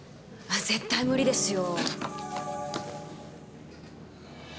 絶対無理ですよ。